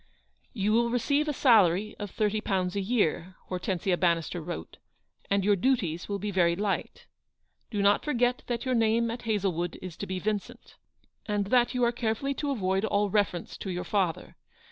" You will receive a salary of thirty pounds a year," Hortensia Bannister wrote, u and your duties will be very light. Do not forget that your name at Hazlewood is to be Vincent, and that you are carefully to avoid all reference to your father.